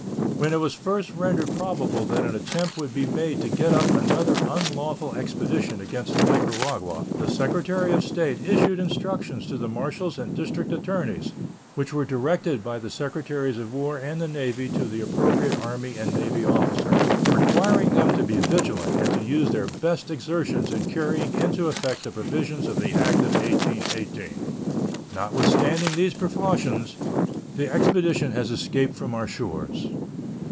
When it was first rendered probable that an attempt would be made to get up another unlawful expedition against Nicaragua, the Secretary of State issued instructions to the marshals and district attorneys, which were directed by the Secretaries of War and the Navy to the appropriate army and navy officers, requiring them to be vigilant and to use their best exertions in carrying into effect the provisions of the act of 1818. Notwithstanding these precautions, the expedition has escaped from our shores.